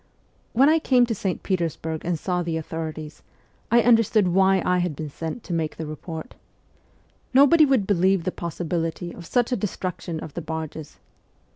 When I came to St. Petersburg and saw the authorities, I understood why I had been sent to make the report. Nobody would believe the possibility of such a destruction of the barges.